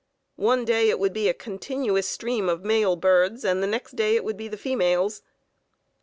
One day it would be a continuous stream of male birds and the next day it would be the females.